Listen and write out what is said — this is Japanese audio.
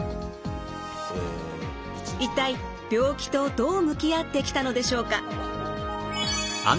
一体病気とどう向き合ってきたのでしょうか？